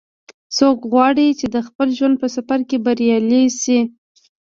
څوک غواړي چې د خپل ژوند په سفر کې بریالۍ شي